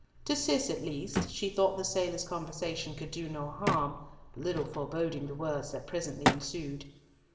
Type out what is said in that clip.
To Cis, at least, she thought the sailor's conversation could do no harm, little foreboding the words that presently ensued.